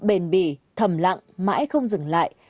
bền bì thầm lặng mãi không dừng lại